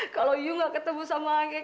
kalau lu gak ketemu sama angger